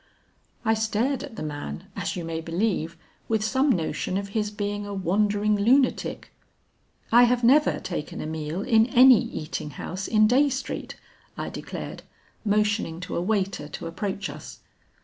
'" I stared at the man, as you may believe, with some notion of his being a wandering lunatic. 'I have never taken a meal in any eating house in Dey Street,' I declared, motioning to a waiter to approach us.